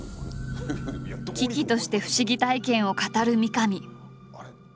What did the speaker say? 喜々として不思議体験を語る三上。